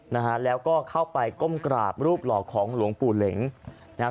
นะฮะแล้วก็เข้าไปก้มกราบรูปหล่อของหลวงปู่เหล็งนะฮะ